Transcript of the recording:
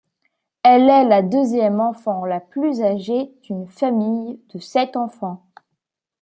Elle est la deuxième enfant la plus âgée d'une famille de sept enfants.